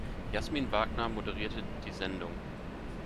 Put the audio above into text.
Jasmin Wagner moderierte die Sendung.